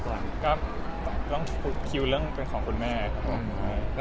สาวเรื่องศุภาไพก่อน